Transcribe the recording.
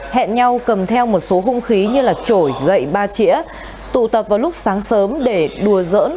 hẹn nhau cầm theo một số hung khí như trổi gậy ba chỉa tụ tập vào lúc sáng sớm để đùa giỡn